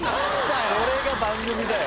それが番組だよ。